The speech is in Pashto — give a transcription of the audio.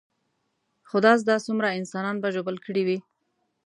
خدا زده څومره انسانان به ژوبل کړي وي.